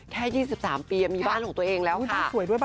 แค่๒๓ปีมีบ้านของตัวเองแล้วค่ะ